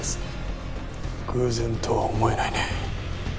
偶然とは思えないね。